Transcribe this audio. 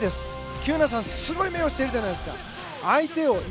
喜友名さん、すごい目をしているじゃないですか。